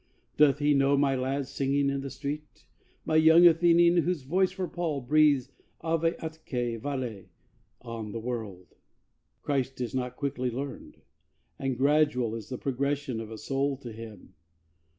Doth He know my lad singing in the street My young Athenian, whose voice for Paul Breathes Ave atque Vale on the world? Christ is not quickly learned; and gradual Is the progression of a soul to Him.